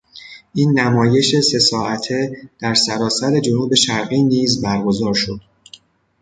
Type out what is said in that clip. این نمایش سه ساعته در سراسر جنوب شرقی نیز برگزار شد.